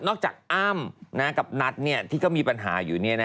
จากอ้ำกับนัทที่ก็มีปัญหาอยู่